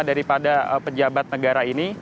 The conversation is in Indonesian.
daripada pejabat negara ini